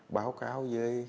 báo cáo với